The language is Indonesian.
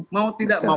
mau tidak mau